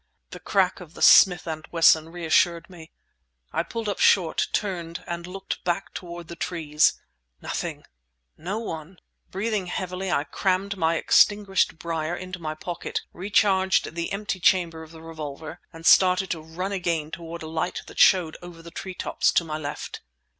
The crack of the Smith and Wesson reassured me. I pulled up short, turned, and looked back toward the trees. Nothing—no one! Breathing heavily, I crammed my extinguished briar into my pocket—re charged the empty chamber of the revolver—and started to run again toward a light that showed over the treetops to my left.